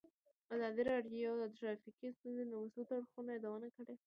ازادي راډیو د ټرافیکي ستونزې د مثبتو اړخونو یادونه کړې.